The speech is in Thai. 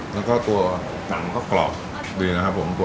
แล้วก็ตัวหนังก็กรอบดีนะครับผม